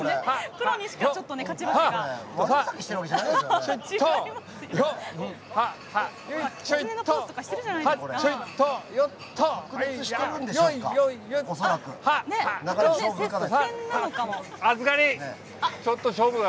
プロにしかちょっと勝ち負けが。